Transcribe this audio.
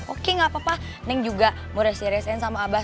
oke gak apa apa neng juga mau rahasia rahasiaan sama abah